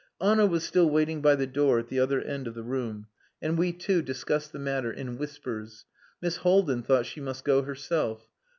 Anna was still waiting by the door at the other end of the room, and we two discussed the matter in whispers. Miss Haldin thought she must go herself.